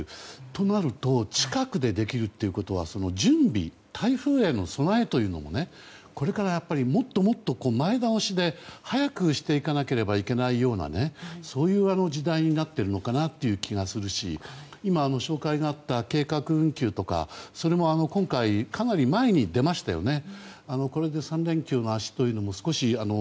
となると、近くでできることは準備、台風への備えというのもこれからもっともっと前倒しで早くしていかなければいけないようなそういう時代になっているのかなという気がするし今、紹介があった計画運休とかそれも今回かなり前に出ましたよね。